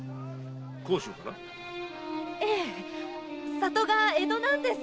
実家が江戸なんです。